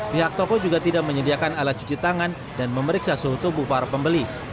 pihak toko juga tidak menyediakan alat cuci tangan dan memeriksa suhu tubuh para pembeli